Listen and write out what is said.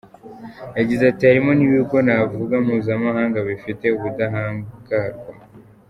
Yagize ati “Harimo n’ibigo navuga mpuzamahanga bifite ubudahangarwa.